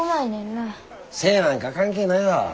背なんか関係ないわ。